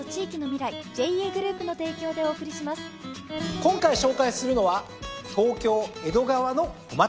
今回紹介するのは東京江戸川の小松菜。